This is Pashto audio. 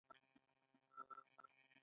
• بادام د خوشحالۍ او سکون لپاره ګټور دي.